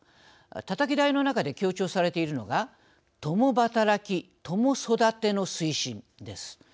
たたき台の中で強調されているのが共働き・共育ての推進です。